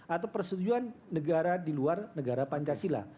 atau persetujuan negara di luar negara pancasila